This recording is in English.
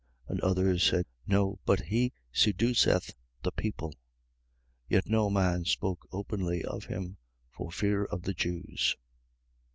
And others said: No, but he seduceth the people. 7:13. Yet no man spoke openly of him, for fear of the Jews.